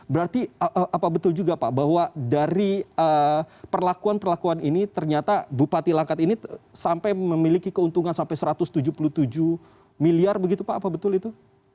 berarti apa betul juga pak bahwa dari perlakuan perlakuan ini ternyata bupati langkat ini sampai memiliki keuntungan sampai satu ratus tujuh puluh tujuh miliar begitu pak apa betul itu